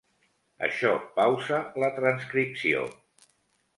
Això pausa la transcripció.